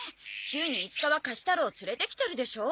週に５日はかしたろう連れてきてるでしょ？